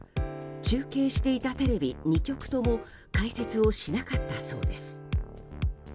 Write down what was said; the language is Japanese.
中継していたテレビ２局とも解説をしなかったそうです。